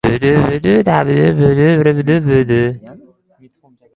Bizga ham «Mitxun»lar kerak!